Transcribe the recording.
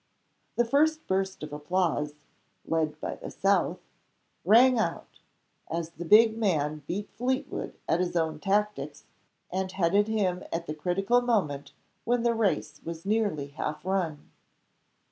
The first burst of applause (led by the south) rang out, as the big man beat Fleetwood at his own tactics, and headed him at the critical moment when the race was nearly half run.